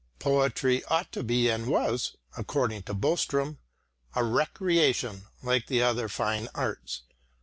Poetry ought to be and was (according to Boström) a recreation like the other fine arts.